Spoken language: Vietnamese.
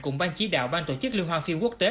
cùng ban chỉ đạo ban tổ chức liên hoan phim quốc tế